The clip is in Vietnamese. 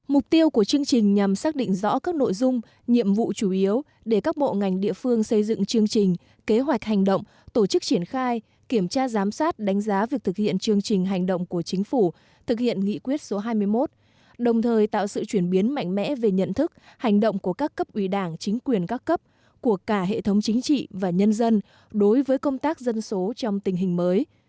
mục tiêu của chương trình nhằm xác định rõ các nội dung nhiệm vụ chủ yếu để các bộ ngành địa phương xây dựng chương trình kế hoạch hành động tổ chức triển khai kiểm tra giám sát đánh giá việc thực hiện chương trình hành động của chính phủ thực hiện nghị quyết số hai mươi một đồng thời tạo sự chuyển biến mạnh mẽ về nhận thức hành động của các cấp ủy đảng chính quyền các cấp của cả hệ thống chính trị và nhân dân đối với công tác dân số trong tình hình mới